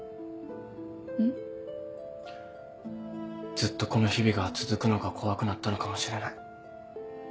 ずっとこの日々が続くのが怖くなったのかもしれない。